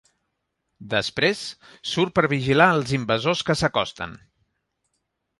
Després surt per vigilar els invasors que s'acosten.